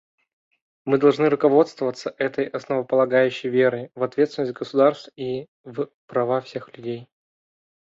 Мы должны руководствоваться этой основополагающей верой, — в ответственность государств и в права всех людей.